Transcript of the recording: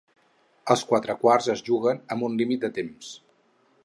Els quatre quarts es juguen amb un límit de temps.